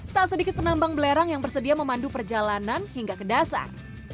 tak sedikit penambang belerang yang bersedia memandu perjalanan hingga ke dasar